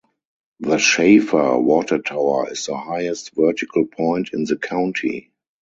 The Shafer watertower is the highest vertical point in the county.